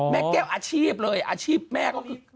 แม่แก้วอาชีพเลยอาชีพแม่ก็คือ